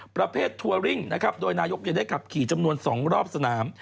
ประเภททัวริ่งนะครับโดยนายกได้ขับขี่จำนวน๒รอบสนาม